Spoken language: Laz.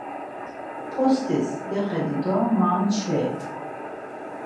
Postis gexedi do ma mçvi.